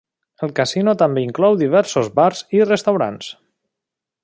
El casino també inclou diversos bars i restaurants.